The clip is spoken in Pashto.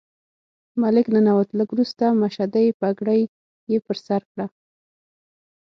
ملک ننوت، لږ وروسته مشدۍ پګړۍ یې پر سر کړه.